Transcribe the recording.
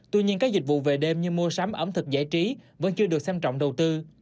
tuy nhiên các dịch vụ về đêm như mua sắm ẩm thực giải trí vẫn chưa được xem trọng đầu tư